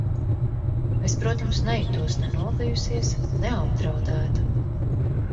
Es, protams, nejutos ne nobijusies, ne apdraudēta.